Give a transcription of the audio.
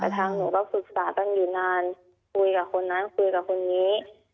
กระทางหนูก็ฝึกศาติตั้งหยุดนานคุยกับคนนั้นคุยกับคนนี้